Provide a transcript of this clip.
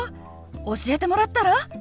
教えてもらったら？